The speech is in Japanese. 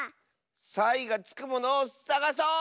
サイがつくものをさがそう！